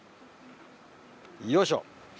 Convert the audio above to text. よいしょ。